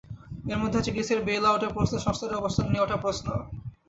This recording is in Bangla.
এর মধ্যে আছে গ্রিসের বেইলআউটের প্রশ্নে সংস্থাটির অবস্থান নিয়ে ওঠা প্রশ্ন।